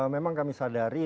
memang kami sadari